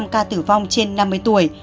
tám mươi sáu năm ca tử vong trên năm mươi tuổi